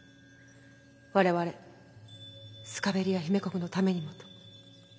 我々スカベリア姫国のためにもと。